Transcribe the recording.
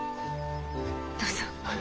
どうぞ。